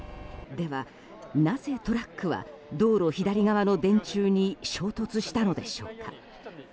では、なぜトラックは道路左側の電柱に衝突したのでしょうか。